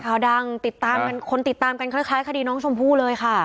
ข่าวดังติดตามกันคนติดตามกันคล้ายคดีน้องชมพู่เลยค่ะ